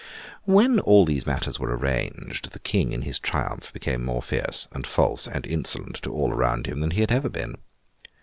When all these matters were arranged, the King in his triumph became more fierce, and false, and insolent to all around him than he had ever been.